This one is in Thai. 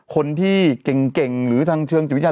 คนที่เก่งหรือทางเชิงจิตวิทยา